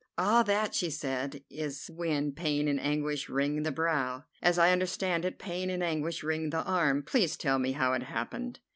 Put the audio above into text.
"Ah, that," she said, "is when pain and anguish wring the brow. As I understand it, pain and anguish wring the arm. Please tell me how it happened."